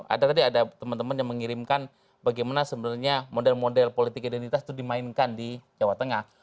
ada tadi ada teman teman yang mengirimkan bagaimana sebenarnya model model politik identitas itu dimainkan di jawa tengah